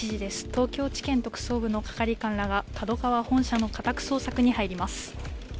東京地検特捜部の係官らが、ＫＡＤＯＫＡＷＡ本社の家宅捜索に入ります。